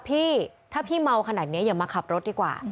พี่ถ้าพี่เมาขนาดนี้อย่ามาขับรถดีกว่า